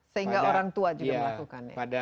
sehingga orang tua juga melakukan ya